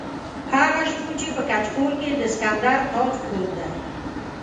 هغه شپون چې په کچکول کې یې د سکندر تاج پروت دی.